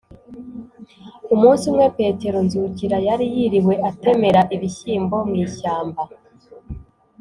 umunsi umwe, petero nzukira yari yiriwe atemera ibishyimbo mu ishyamba.